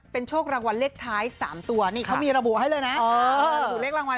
เป็นโชครางวัลเลขท้าย๓ตัวเขามีระบุให้เลยนะ